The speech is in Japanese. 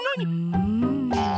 うん。